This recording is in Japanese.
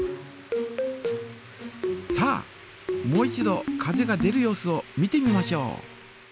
さあもう一度風が出る様子を見てみましょう。